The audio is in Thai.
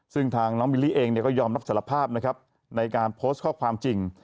ซึ่งทางน้องมิลลี่เองก็ยอมรับสารภาพนะครับในการโพสต์ข้อความจริง